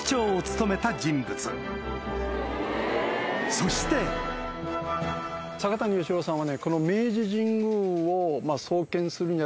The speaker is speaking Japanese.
そして阪谷芳郎さんは。